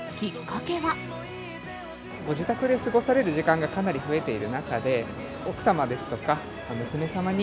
ご自宅で過ごされる時間がかなり増えている中で、奥様ですとか、娘様に、